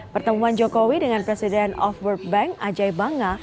pertemuan jokowi dengan presiden of world bank ajai banga